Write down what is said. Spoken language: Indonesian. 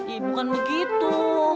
eh bukan begitu